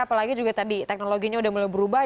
apalagi juga tadi teknologinya sudah mulai berubah